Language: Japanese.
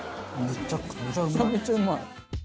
めちゃめちゃうまい！